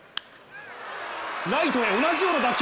ライトへ同じような打球。